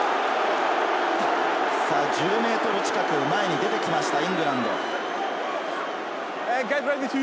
１０ｍ近く前に出てきましたイングランド。